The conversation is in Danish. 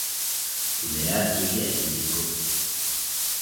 du lærer ikke at hitte på.